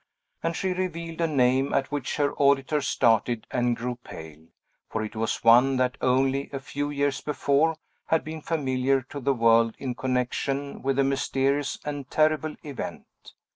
And she revealed a name at which her auditor started and grew pale; for it was one that, only a few years before, had been familiar to the world in connection with a mysterious and terrible event.